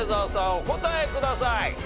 お答えください。